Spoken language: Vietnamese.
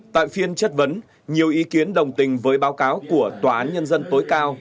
tại phiên chất vấn nhiều ý kiến đồng tình với báo cáo của tòa án nhân dân tối cao